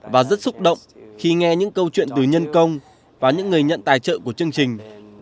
và rất xúc động khi nghe những câu chuyện từ nhân công và những người nhận tài trợ của chương trình